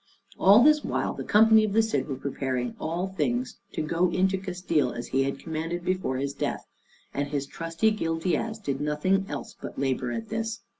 All this while the company of the Cid were preparing all things to go into Castile, as he had commanded before his death; and his trusty Gil Diaz did nothing else but labor at this.